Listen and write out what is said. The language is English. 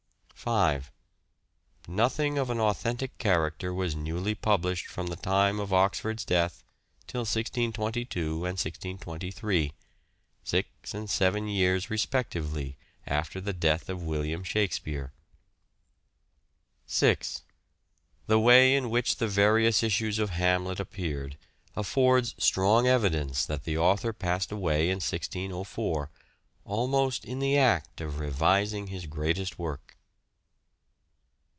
5. Nothing of an authentic character was newly published from the time of Oxford's death till 1622 and 1623 ; six and seven years respectively after the death of William Shakspere. 6. The way in which the various issues of " Hamlet " appeared affords strong evidence that the author passed away in 1604, almost in the act of revising his greatest work.